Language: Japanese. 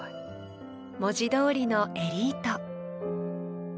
文字どおりのエリート。